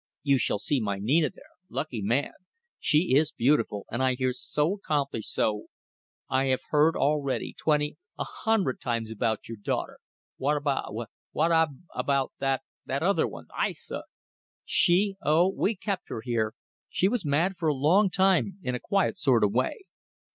You shall see my Nina there. Lucky man. She is beautiful, and I hear so accomplished, so ..." "I have heard already twenty ... a hundred times about your daughter. What ab about that that other one, Ai ssa?" "She! Oh! we kept her here. She was mad for a long time in a quiet sort of way.